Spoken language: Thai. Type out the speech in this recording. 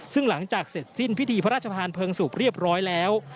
ซึ่งหลังจากเสร็จสิ้นพิธีพระราชทานเพลิงศพเรียบร้อยแล้ว